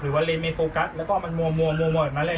หรือว่าเลนส์ไม่โฟกัสแล้วก็มันมัวแบบนั้นแหละ